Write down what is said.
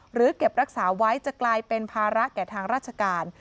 เก็บรักษาไว้จะกลายเป็นภาระแก่ทางราชการ